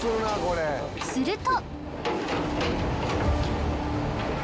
すると。